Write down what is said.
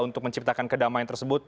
untuk menciptakan kedamaian tersebut